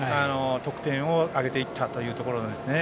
得点を挙げていったというところですね。